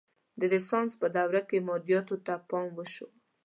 د رنسانس په دوره کې مادیاتو ته پام وشو.